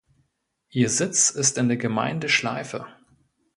Ihr Sitz ist in der Gemeinde Schleife.